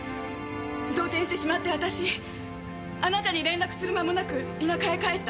動転してしまって私あなたに連絡する間もなく田舎へ帰った。